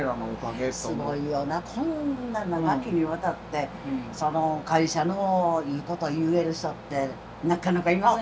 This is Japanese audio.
こんな長きにわたってその会社のいいこと言える人ってなかなかいませんよね。